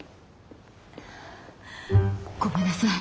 ごめんなさい。